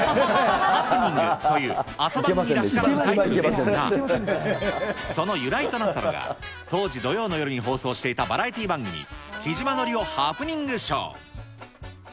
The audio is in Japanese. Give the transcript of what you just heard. ハプニングという朝番組らしからぬタイトルですが、その由来となったのが、当時土曜の夜に放送していたバラエティー番組、木島則夫ハプニングショー。